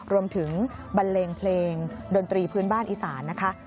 บันเลงเพลงดนตรีพื้นบ้านอีสานนะคะ